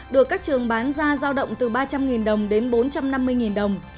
được các trường bán ra giao động từ ba trăm linh đồng đến bốn trăm năm mươi đồng